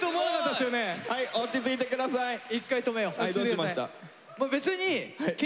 はいどうしました？